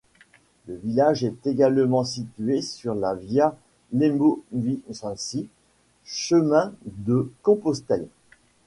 Le village est également situé sur la Via Lemovicensis, chemin de Compostelle.